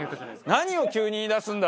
何を急に言いだすんだ！